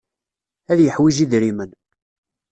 Ad yeḥwij idrimen.